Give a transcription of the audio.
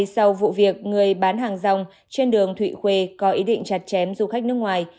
sau vụ việc người bán hàng rong trên đường thụy khuê có ý định chặt chém du khách nước ngoài